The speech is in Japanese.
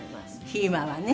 ひーまはね。